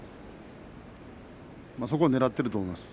そこをねらっていると思います。